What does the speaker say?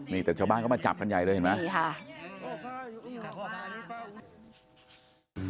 นี่แต่ชาวบ้านก็มาจับกันใหญ่เลยเห็นไหมนี่ค่ะ